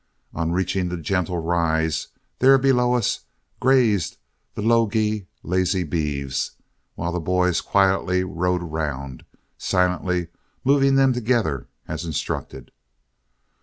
On reaching the gentle rise, there below us grazed the logy, lazy beeves, while the boys quietly rode round, silently moving them together as instructed.